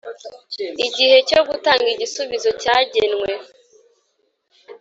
igihe cyo gutanga igisubizo cyagenwe